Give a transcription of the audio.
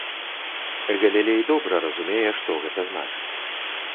Галілей добра разумее, што гэта значыць.